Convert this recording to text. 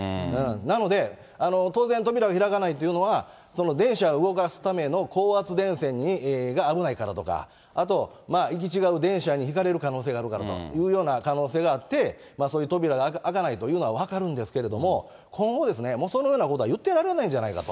なので、当然、扉が開かないというのは、電車を動かすための高圧電線が危ないからとか、あと行き違う電車にひかれる可能性があるからというような可能性があって、そういう扉が開かないというのは分かるんですけれども、今後、そのようなことは言ってられないんじゃないかと。